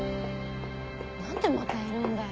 何でまたいるんだよ。